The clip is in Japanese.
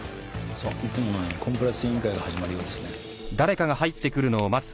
いつものようにコンプライアンス委員会が始まるようですね。